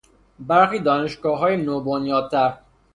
برخی دانشگاههای نوبنیادتر